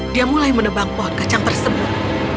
dia mulai menebang pohon kacang tersebut